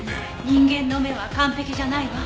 人間の目は完璧じゃないわ。